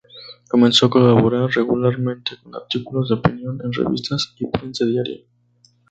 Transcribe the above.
Comenzó a colaborar regularmente con artículos de opinión en revistas y prensa diaria.